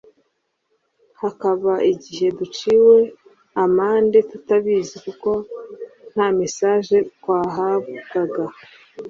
hakaba igihe duciwe amende tutabizi kuko nta mesaje twahabwaga